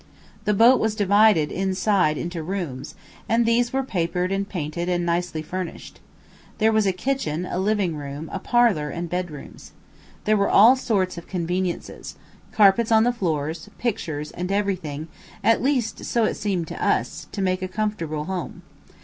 The boat was divided, inside, into rooms, and these were papered and painted and nicely furnished. There was a kitchen, a living room, a parlor and bedrooms. There were all sorts of conveniences carpets on the floors, pictures, and everything, at least so it seemed to us, to make a home comfortable.